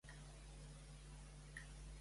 Què havia comunicat Torra prèviament?